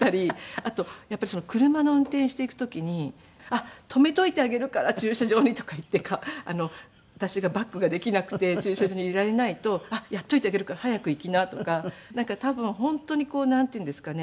あとやっぱり車の運転していく時に「止めておいてあげるから駐車場に」とか言って私がバックができなくて駐車場に入れられないと「やっておいてあげるから早く行きな」とか。